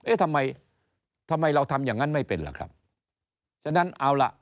เอ๊ะทำไมทำไมเราทำอย่างงั้นไม่เป็นล่ะครับฉะนั้นเอาล่ะ